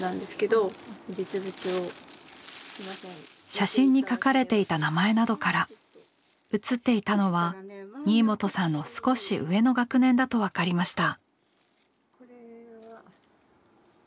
写真に書かれていた名前などから写っていたのは新元さんの少し上の学年だと分かりました。